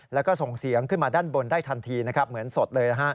และส่งเสียงขึ้นมาด้านบนได้ทันทีเหมือนสดเลย